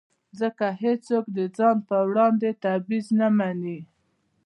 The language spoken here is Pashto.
ځکه هېڅوک د ځان پر وړاندې تبعیض نه مني.